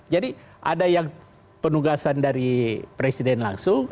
jadi ada yang penugasan dari presiden langsung